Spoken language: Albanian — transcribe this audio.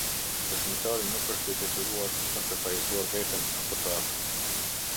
Dëshmitari nuk është i detyruara për të fajësuar veten apo të afërmin.